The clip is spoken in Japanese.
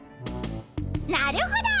なるほど。